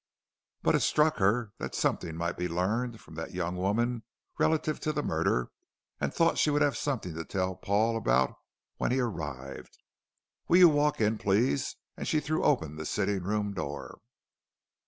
But it struck her that something might be learned from that young woman relative to the murder, and thought she would have something to tell Paul about when he arrived. "Will you walk in, please," and she threw open the sitting room door.